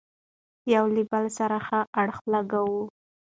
يو له بل سره ښه اړخ لګوو،